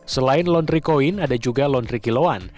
selain laundry coin ada juga laundry kiloan